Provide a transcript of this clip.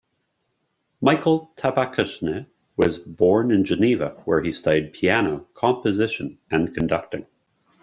Michel Tabachnik was born in Geneva, where he studied piano, composition and conducting.